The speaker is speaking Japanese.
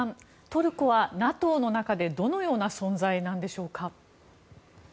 トルコはＮＡＴＯの中でどのような存在なのでしょうか？